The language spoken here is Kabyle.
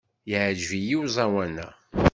Yeɛjeb-iyi uẓawan-a.